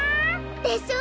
でしょ！